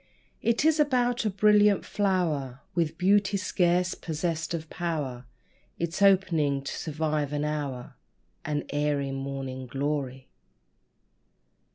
It is about a brilliant flower, With beauty scarce possessed of power Its opening to survive an hour An airy Morning Glory.